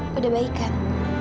sudah baik kan